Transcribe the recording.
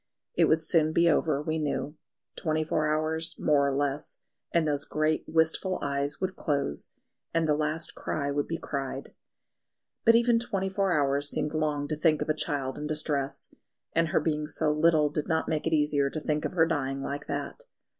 It would soon be over, we knew; twenty four hours, more or less, and those great wistful eyes would close, and the last cry would be cried. But even twenty four hours seemed long to think of a child in distress, and her being so little did not make it easier to think of her dying like that.